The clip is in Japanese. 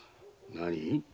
何？